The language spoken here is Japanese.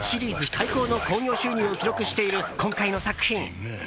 最高の興行収入を記録している今回の作品。